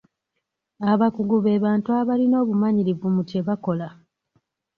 Abakugu be bantu abalina obumanyirivu mu kye bakola.